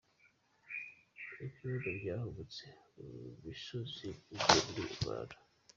Ibyondo Byahubutse mu misozi byuzura muri rubanda.